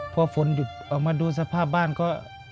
พอฝนหยุดออกมาดูสภาพบ้านก็